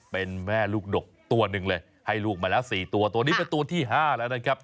เป็นแม่ลูกดกตัวหนึ่งเลยให้ลูกมาแล้ว๔ตัวตัวนี้เป็นตัวที่๕แล้วนะครับ